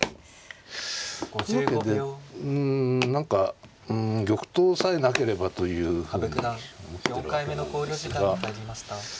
うん何か玉頭さえなければというふうに思ってるわけなんですが。